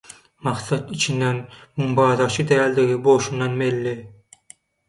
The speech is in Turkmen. Maksat içinden «Muň bazarçy däldigi bolşundan belli.